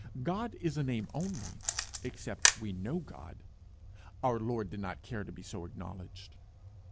God is a name only, except we know God. Our Lord did not care to be so acknowledged.